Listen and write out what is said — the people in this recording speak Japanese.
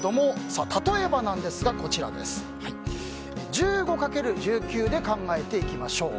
例えば、１５×１９で考えていきましょう。